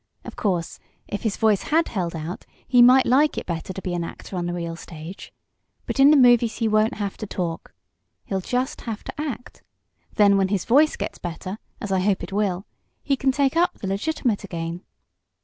Of course, if his voice had held out he might like it better to be an actor on the real stage. But in the movies he won't have to talk. He'll just have to act. Then, when his voice gets better, as I hope it will, he can take up the legitimate again."